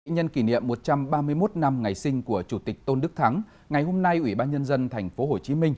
nhân kỷ niệm một trăm ba mươi một năm ngày sinh của chủ tịch tôn đức thắng ngày hôm nay ủy ban nhân dân tp hcm